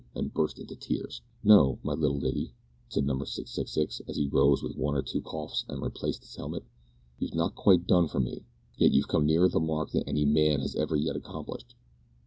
and burst into tears. "No, my little lady," said Number 666, as he rose with one or two coughs and replaced his helmet, "you've not quite done for me, though you've come nearer the mark than any man has ever yet accomplished.